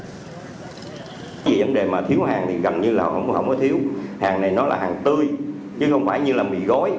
tại vì vấn đề mà thiếu hàng thì gần như là không có thiếu hàng này nó là hàng tươi chứ không phải như là mì gối